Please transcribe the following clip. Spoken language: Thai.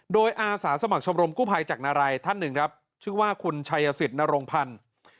โดยอาสาสมัครชมรมกู้ภัยจากนารัยท่านหนึ่งครับชื่อว่าคุณชัยสิทธินรงพันธ์